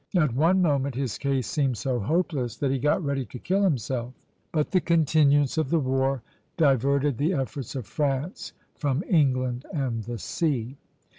At one moment his case seemed so hopeless that he got ready to kill himself; but the continuance of the war diverted the efforts of France from England and the sea.